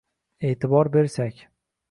e’tibor bersak